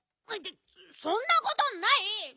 そんなことない！